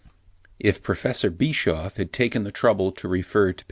If Professor Bischoff had taken the trouble to refer to p.